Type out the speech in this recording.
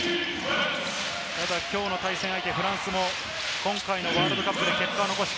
きょうの対戦相手、フランスも今回のワールドカップで結果を残し。